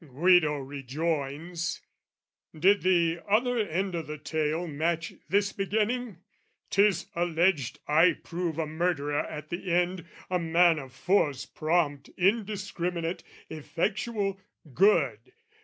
Guido rejoins "Did the other end o' the tale "Match this beginning! 'Tis alleged I prove "A murderer at the end, a man of force "Prompt, indiscriminate, effectual: good!